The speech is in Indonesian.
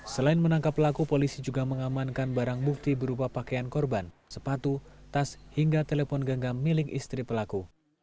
selain menangkap pelaku polisi juga mengamankan barang bukti berupa pakaian korban sepatu tas hingga telepon genggam milik istri pelaku